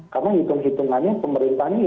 karena hitung hitungannya pemerintah ini